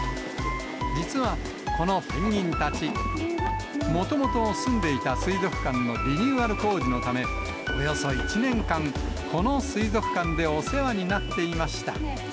実は、このペンギンたち、もともと住んでいた水族館のリニューアル工事のため、およそ１年間、この水族館でお世話になっていました。